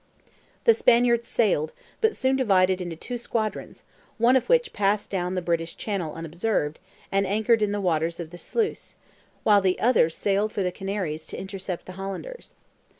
The Spaniards sailed, but soon divided into two squadrons, one of which passed down the British Channel unobserved, and anchored in the waters of the Sluys, while the other sailed for the Canaries to intercept the Hollanders.